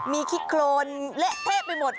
มีขี้โครนเละเทะไปหมด